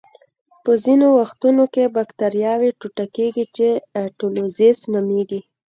په ځینو وختونو کې بکټریاوې ټوټه کیږي چې اټولیزس نومېږي.